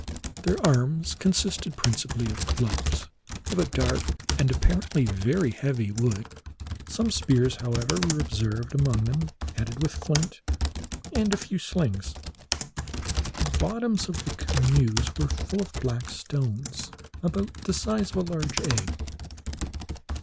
Their arms consisted principally of clubs, of a dark, and apparently very heavy wood. Some spears, however, were observed among them, headed with flint, and a few slings. The bottoms of the canoes were full of black stones about the size of a large egg.